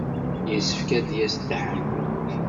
Yessefk ad d-yas Dda Ḥemmu.